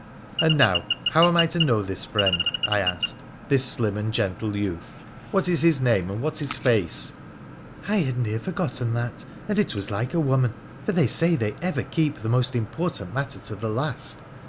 'And now, how am I to know this friend,' I asked, ' this slim and gentle youth ? What is his name, and what his face ?'' I had near forgotten that ; and it was like a woman, for they say they ever keep the most important matter to the last